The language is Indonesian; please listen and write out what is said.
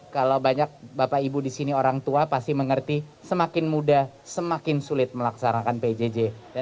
kalau banyak bapak ibu di sini orang tua pasti mengerti semakin muda semakin sulit melaksanakan pjj